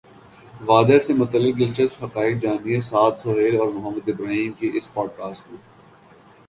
whether سے متعلق دلچسپ حقائق جانیے سعد سہیل اور محمد ابراہیم کی اس پوڈکاسٹ میں